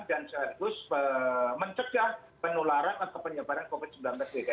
dan seharusnya mencegah penularan atau penyebaran covid sembilan belas di dki jakarta